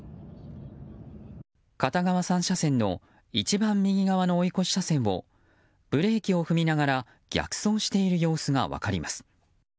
片側３車線の一番右側の追い越し車線をブレーキを踏みながら逆走している様子が分かります。